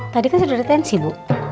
tadi kan sudah detensi bu